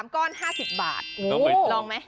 ๓ก้อน๕๐บาทโอ้ลองไหม